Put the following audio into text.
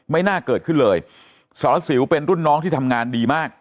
ไม่น่าเกิดขึ้นเลยสอสิวเป็นรุ่นน้องที่ทำงานดีมาก